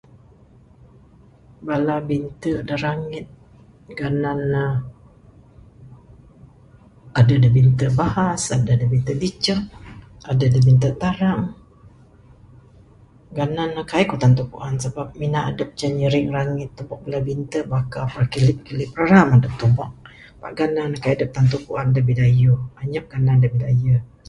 Bala bintu da rangit ganan ne...adeh da bintu bahas adeh da bintu dicek adeh da bintu tarang...ganan ne kaii ku tantu puan sabab mina adep ceh nyiring rangit tubek ne bintu bakah parakilip kilip raram adep tubek pak ganan ne kaii adep tantu puan ne da bidayuh... anyap ganan ne da bidayuh.